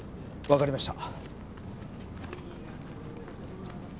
わかりました。